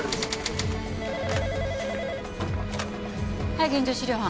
はい現場資料班。